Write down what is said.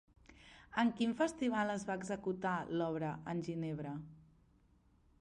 En quin festival es va executar l'obra en Ginebra?